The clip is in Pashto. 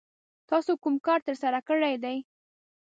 تاسو کوم کار ترسره کړی دی؟